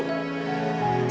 ini dia bu